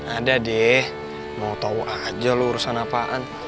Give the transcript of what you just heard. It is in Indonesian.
ada deh mau tau aja lu urusan apaan